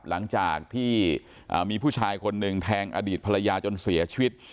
หลังจากที่มีผู้ชายคนหนึ่งแทงอดีตภรรยาจนเสียชีวิต